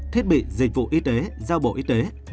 thiết bị dịch vụ y tế giao bộ y tế